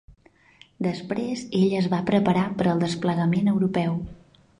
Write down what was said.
Després ella es va preparar per al desplegament europeu.